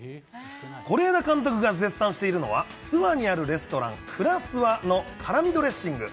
是枝監督が絶賛しているのは、諏訪にあるレストラン、くらすわの辛みドレッシング。